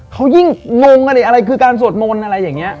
เขายิ่งงงอะไรคือการสวดมนต์อะไรอย่างนี้